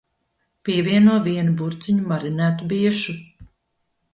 Pievieno vienu burciņu marinētu biešu.